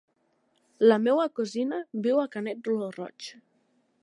La meva cosina viu a Canet lo Roig.